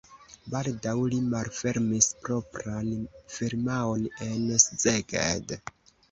Baldaŭ li malfermis propran firmaon en Szeged.